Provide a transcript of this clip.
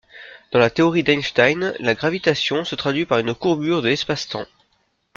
Dans la théorie d'Einstein la gravitation se traduit par une courbure de l'espace-temps.